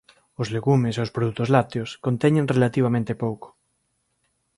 Os legumes e os produtos lácteos conteñen relativamente pouco.